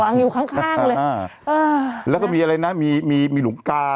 อยู่ข้างข้างเลยอ่าอ่าแล้วก็มีอะไรนะมีมีหลวงกา